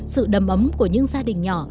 sự đầm ấm của những gia đình